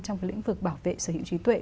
trong cái lĩnh vực bảo vệ sở hữu trí tuệ